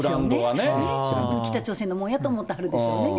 全部北朝鮮のものやと思ってはるでしょうね。